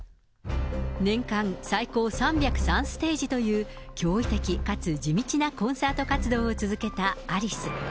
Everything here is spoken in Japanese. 年間最高３０３ステージという驚異的かつ地道なコンサート活動を続けたアリス。